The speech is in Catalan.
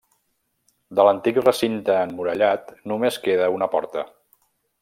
De l'antic recinte emmurallat només queda una porta.